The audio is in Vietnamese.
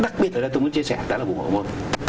đặc biệt là tôi muốn chia sẻ là vùng hộp môn